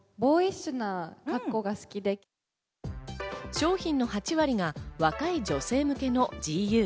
商品の８割が若い女性向けのＧＵ。